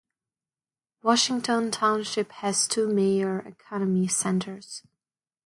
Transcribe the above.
Washington Township has two major economic centers.